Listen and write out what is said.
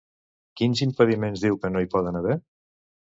Quins impediments diu que no hi poden haver?